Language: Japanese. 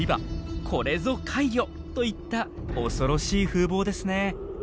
「これぞ怪魚！」といった恐ろしい風貌ですね。